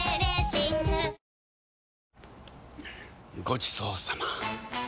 ごちそうさま！